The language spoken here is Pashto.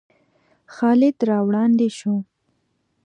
خالد را وړاندې شو.